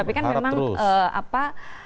tapi kan memang apa